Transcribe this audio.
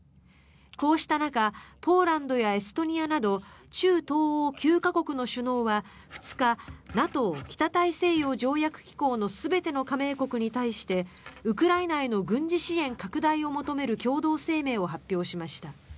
こうした中ポーランドやエストニアなど中東欧９か国の首脳は２日ＮＡＴＯ・北大西洋条約機構の全ての加盟国に対してウクライナへの軍事支援拡大を求める共同声明を発表しました。